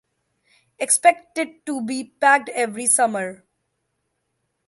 Expect it to be packed every summer.